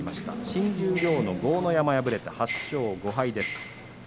新十両の豪ノ山敗れて８勝５敗です。